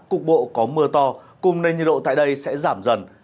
cục bộ có mưa to cùng nền nhiệt độ tại đây sẽ giảm dần